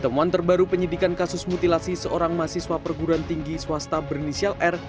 temuan terbaru penyidikan kasus mutilasi seorang mahasiswa perguruan tinggi swasta berinisial r